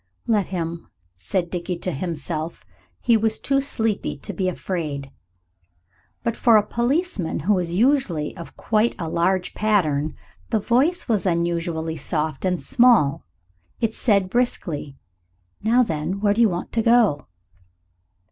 "Let him," said Dickie to himself. He was too sleepy to be afraid. But for a policeman, who is usually of quite a large pattern, the voice was unusually soft and small. It said briskly "Now, then, where do you want to go to?"